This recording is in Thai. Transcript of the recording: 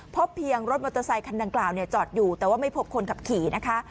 พบเพียงรถมอเตอร์ไซคันดังกล่าวจอดอยู่แต่ว่าไม่พบคนขับขี่นะคะ